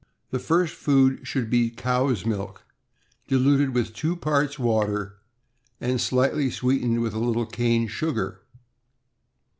The first food should be cow's milk, diluted with two parts water, and slightly sweetened with a little cane sugar.